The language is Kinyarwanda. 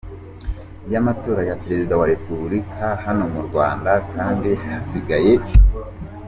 iy’amatora ya Perezida wa Repubulika hano mu Rwanda kandi hasigaye